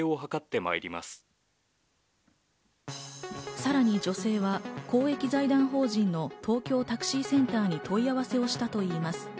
さらに女性は公益財団法人の東京タクシーセンターに問い合わせをしたといいます。